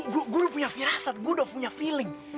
gue guru punya firasat gue udah punya feeling